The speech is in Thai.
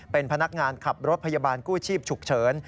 เป็นพนักงานขับรถพยาบาลกู้ชีพฉุกเฉิน